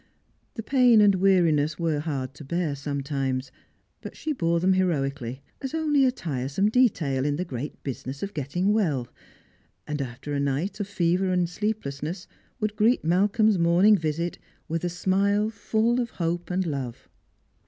The pain and weariness were hard to bear sometimes, but she bore them heroically, as only a tiresome detail in the great business of getting well ; and after a night of fever and sleeplessness, would greet Malcolm's morning visit with a smile full of hope and love.